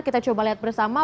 kita coba lihat bersama